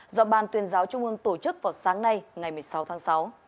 do ban tuyên giáo trung ương tổ chức vào sáng nay ngày một mươi sáu tháng sáu